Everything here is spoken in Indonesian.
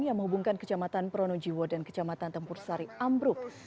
yang menghubungkan kecamatan pronojiwo dan kecamatan tempur sari ambruk